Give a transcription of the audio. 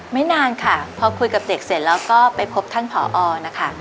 ไม่นานค่ะพอคุยกับเด็กเสร็จแล้วก็ไปพบท่านผอนะคะ